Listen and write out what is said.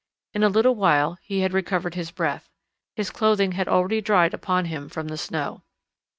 In a little while he had recovered his breath. His clothing had already dried upon him from the snow.